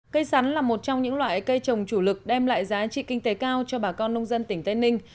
cây sắn là một trong những loại cây trồng chủ lực đem lại giá trị kinh tế cao cho bà con nông dân tỉnh tây ninh